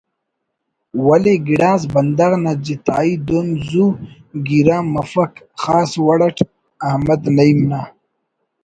ولے گڑاس بندغ نا جتائی دن زُو گیرام مفک خاص وڑ اٹ احمد نعیم نا